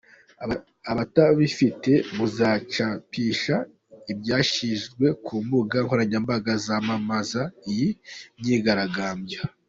Abatabifite muzacapishe ibyashyizwe ku mbuga nkoranyambaga zamamaza iyi myigaragambyo.